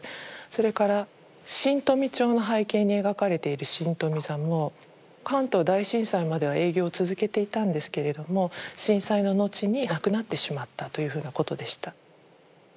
それから「新富町」の背景に描かれている新富座も関東大震災までは営業を続けていたんですけれども震災の後になくなってしまったというふうなことでした。